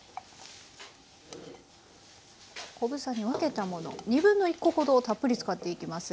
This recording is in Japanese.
小房に分けたもの1/2コほどたっぷり使っていきます。